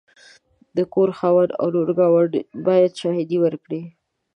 د کور خاوند او نور ګاونډیان باید شاهدي ورکړي.